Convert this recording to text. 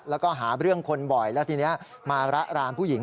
แล้วก็หาเรื่องคนบ่อยแล้วทีนี้มาระรานผู้หญิง